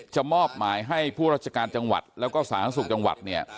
มอบหมายให้ผู้ราชการจังหวัดแล้วก็สาธารณสุขจังหวัดเนี่ย